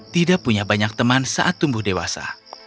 tidak punya banyak teman saat tumbuh dewasa